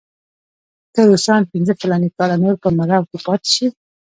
که روسان پنځه فلاني کاله نور په مرو کې پاتې شي.